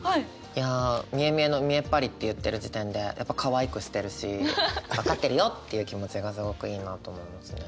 いや「みえみえのみえっぱり」って言ってる時点でやっぱかわいくしてるし分かってるよっていう気持ちがすごくいいなと思いますね。